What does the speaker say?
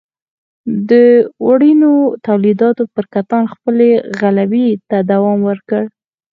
وړینو تولیداتو پر کتان خپلې غلبې ته دوام ورکړ.